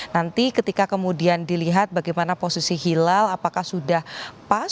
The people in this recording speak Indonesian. nanti ketika kemudian dilihat bagaimana posisi hilal apakah sudah pas